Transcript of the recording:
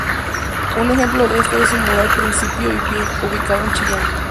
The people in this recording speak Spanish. Un ejemplo de esto es su mural "Principio y fin", ubicado en Chillán.